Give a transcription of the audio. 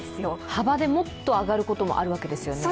幅でもっと上がることもあるわけですよね。